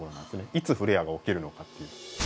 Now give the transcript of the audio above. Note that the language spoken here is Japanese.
いつフレアが起きるのかっていう。